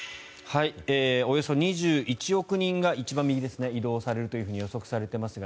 およそ２１億人が移動されると予測されていますが